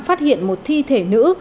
phát hiện một thi thể nữ